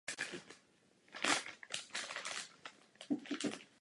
Téhož roku se rovněž stal šéfredaktorem nakladatelství Premiéra.